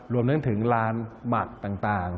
รวมเนื่องถึงลานหมัดต่าง